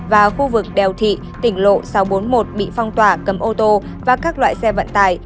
và khu vực đèo thị tỉnh lộ sáu trăm bốn mươi một bị phong tỏa cấm ô tô và các loại xe vận tải